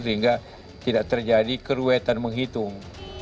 sehingga tidak terjadi keruetan menghitung